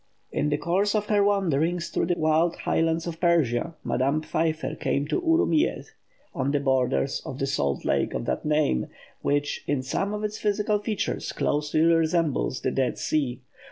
In the course of her wanderings through the wild highlands of Persia, Madame Pfeiffer came to Urumiyéh, on the borders of the salt lake of that name, which, in some of its physical features, closely resembles the Dead Sea.